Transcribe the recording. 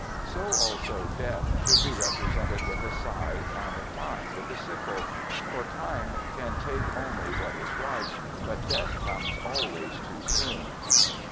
So also Death should be represented with a scythe and Time with a sickle; for Time can take only what is ripe, but Death comes always too soon.